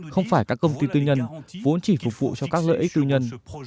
không phải các công ty tư nhân vốn chỉ phục vụ cho các lợi ích tư nhân